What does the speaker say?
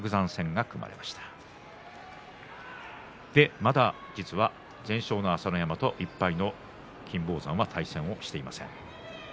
まだ全勝の朝乃山と１敗の金峰山対戦していません。